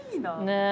ねえ。